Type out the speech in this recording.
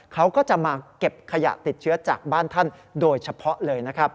เขาก็จะมาเก็บขยะติดเชื้อจากบ้านท่านโดยเฉพาะเลยนะครับ